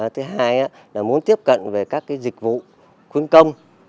thứ hai là muốn tiếp cận về các dịch vụ khuyến công